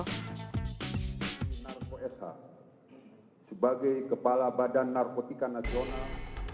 sunarko sh sebagai kepala badan narkotika nasional